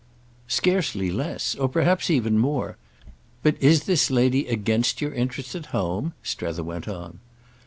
_" "Scarcely less. Or perhaps even more. But is this lady against your interests at home?" Strether went on.